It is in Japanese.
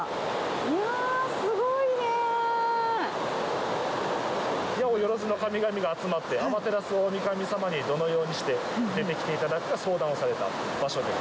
いやぁ、すごいね。やおよろずの神々が集まってオマテラオオミカミ様にどのようにして出てきていただくか相談をされた場所です。